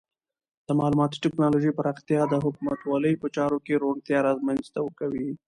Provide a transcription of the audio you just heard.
د معلوماتي ټکنالوژۍ پراختیا د حکومتولۍ په چارو کې روڼتیا رامنځته کوي.